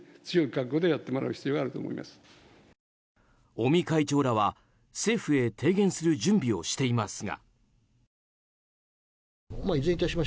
尾身会長らは政府へ提言する準備をしていますが。